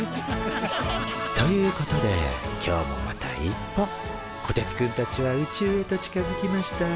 ということで今日もまた一歩こてつくんたちは宇宙へと近づきました。